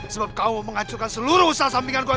sebab kamu menghancurkan seluruh usaha sampingan gue